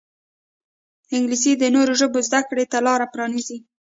انګلیسي د نورو ژبو زده کړې ته لاره پرانیزي